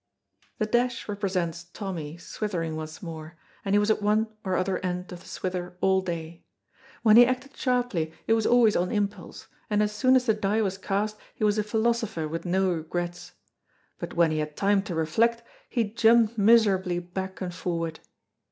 The dash represents Tommy swithering once more, and he was at one or other end of the swither all day. When he acted sharply it was always on impulse, and as soon as the die was cast he was a philosopher with no regrets. But when he had time to reflect, he jumped miserably back and forward.